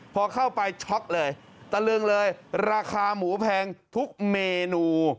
พอเข้าไปช็อกเลยตะลึงเลยราคาหมูแพงทุกเมนู